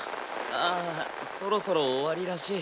ああそろそろ終わりらしい。